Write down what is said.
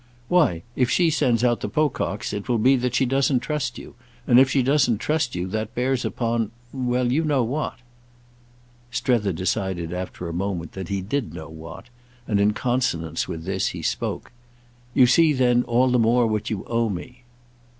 "Why if she sends out the Pococks it will be that she doesn't trust you, and if she doesn't trust you, that bears upon—well, you know what." Strether decided after a moment that he did know what, and in consonance with this he spoke. "You see then all the more what you owe me."